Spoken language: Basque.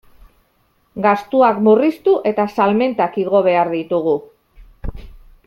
Gastuak murriztu eta salmentak igo behar ditugu.